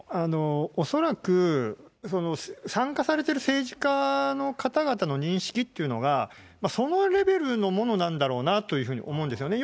恐らく、参加されている政治家の方々の認識っていうのが、そのレベルのものなんだろうなというふうに思うんですよね。